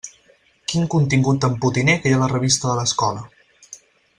Quin contingut tan potiner que hi ha a la revista de l'escola!